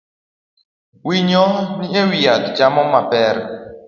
Winyo ni ewi yath chamo mapera